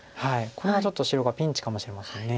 これはちょっと白がピンチかもしれません。